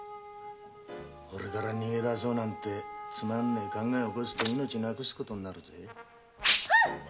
おれから逃げ出そうなんてつまらねぇ考えおこすと命を亡くすことになるぜ。